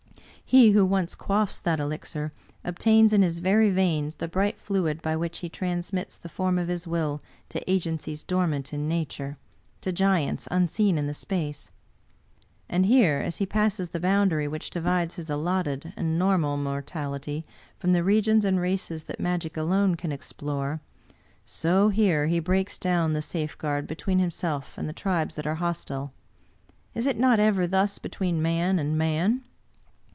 He who once quaffs that elixir, obtains in his very veins the bright fluid by which he trans mits the force of his will to agencies dormant in Nature, to giants unseen in the space. And here, as he passes the boundary which divides his allotted and normal mortality from the regions and races that magic alone can explore, so, here, he breaks down the safeguard between himself and the tribes that are hostile. Is it not ever thus between man and man?